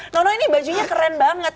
nono ini bajunya keren banget